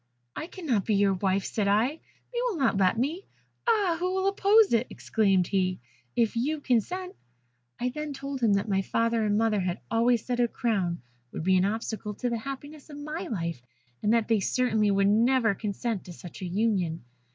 'I cannot be your wife,' said I: 'they will not let me.' 'Ah! who will oppose it,' exclaimed he, 'if you consent?' I then told him that my father and mother had always said a crown would be an obstacle to the happiness of my life, and that they certainly would never consent to such a union.